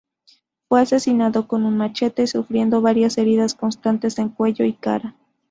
Fue asesinado con un machete, sufriendo varias heridas cortantes en cuello y cara.